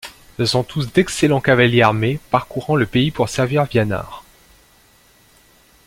Ce sont tous d’excellents cavaliers armés, parcourant le pays pour servir Wianar.